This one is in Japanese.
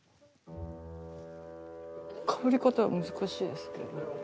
かぶり方難しいですね。